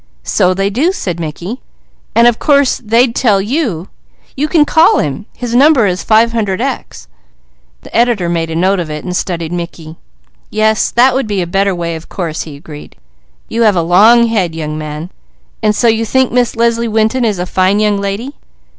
"So they do," said Mickey. "And of course they'd tell you. You can call him. His number is 500 X." The editor made a note of it, studying Mickey. "Yes, that would be the better way, of course," he agreed. "You have a long head, young man. And so you think Miss Leslie Winton is a fine young lady?"